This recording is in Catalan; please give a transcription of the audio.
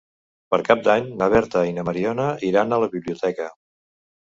Per Cap d'Any na Berta i na Mariona iran a la biblioteca.